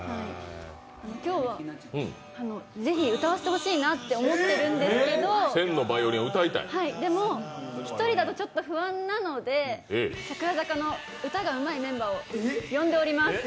今日はぜひ歌わせてほしいなと思っているんですけど、でも、１人だと、ちょっと不安なので歌がうまいメンバーを呼んでおります。